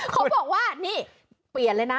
เขาบอกว่านี่เปลี่ยนเลยนะ